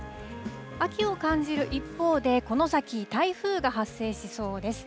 秋を感じる一方で、この先、台風が発生しそうです。